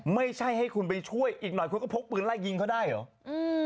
ไม่ใช่ให้คุณไปช่วยอีกหน่อยคุณก็พกปืนไล่ยิงเขาได้เหรออืม